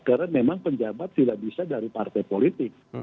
karena memang penjabat tidak bisa dari partai politik